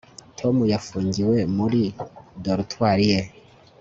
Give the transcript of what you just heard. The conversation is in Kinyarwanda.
tom yafungiwe muri dortoir ye